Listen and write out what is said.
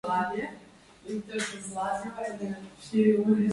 Revščina ima rada družbo.